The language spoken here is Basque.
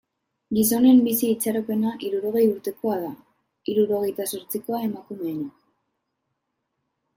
Gizonen bizi itxaropena hirurogei urtekoa da, hirurogeita zortzikoa emakumeena.